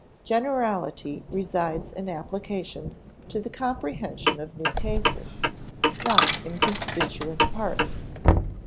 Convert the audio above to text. Generality resides in application to the comprehension of new cases, not in constituent parts.